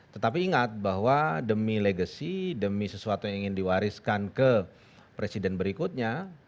tetapi ingat bahwa demi legacy demi sesuatu yang ingin diwariskan ke presiden berikutnya